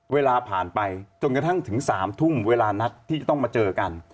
เวลาผ่านไปจนกระทั่งถึง๓ทุ่มเวลานัดที่จะต้องมาเจอกัน